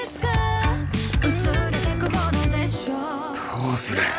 どうする？